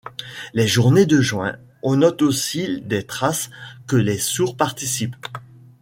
Les Journées de Juin, on note aussi des traces que les sourds participent.